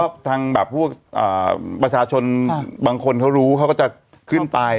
ก็ทางแบบพวกประชาชนบางคนเขารู้เขาก็จะขึ้นไป